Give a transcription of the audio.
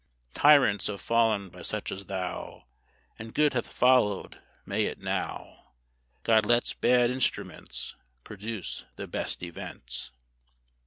Tyrants have fallen by such as thou, And good hath followed may it now! (God lets bad instruments Produce the best events.)